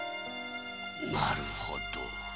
なるほど。